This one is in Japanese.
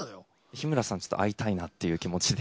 日村さん会いたいなっていう気持ちで。